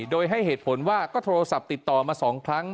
โดยให้เหตุผลว่าก็โทรศัพท์ติดต่อมา๒ครั้ง